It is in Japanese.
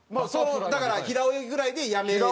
だから平泳ぎぐらいでやめたとか？